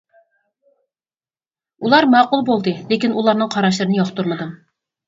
ئۇلار ماقۇل بولدى، لېكىن ئۇلارنىڭ قاراشلىرىنى ياقتۇرمىدىم.